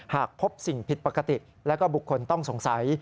หากพบสิ่งผิดปกติและก็บุคคลต้องสงสัย